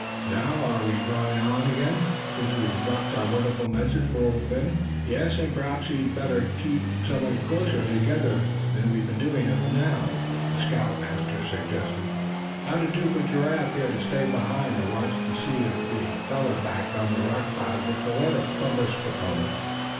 Now, are we going on again, since we've left our wonderful message for Old Phin?" "Yes, and perhaps we'd better keep somewhat closer together than we've been doing up to now," the scoutmaster suggested. "How'd it do for Giraffe here to stay behind, and watch to see if that feller back of the rock pile gets the letter?" Bumpus proposed.